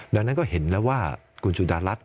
ดังนั้นก็เห็นแล้วว่าคุณสุดารัฐ